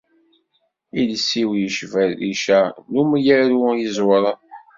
Iles-iw icba rrica n umyaru iẓewren!